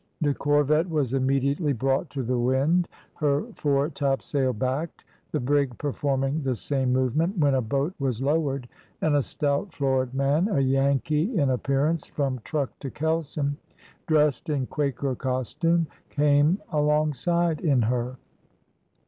The corvette was immediately brought to the wind, her foretopsail backed, the brig performing the same movement, when a boat was lowered, and a stout florid man, a Yankee in appearance from truck to kelson, dressed in Quaker costume, came alongside in her.